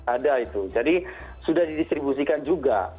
ada itu jadi sudah didistribusikan juga